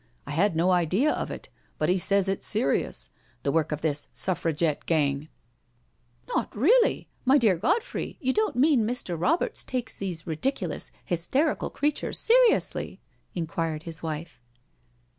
I had no idea of it, but he says it's serious^ the work of this Suffragette gang '* "Not really? My dear Godfrey, you don't mean Mr. Roberts takes these ridiculous, hysterical creatures seriously?" inquired his wife.